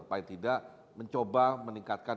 paling tidak mencoba meningkatkan